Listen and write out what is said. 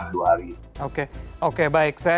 nah ini yang sangat disesalkan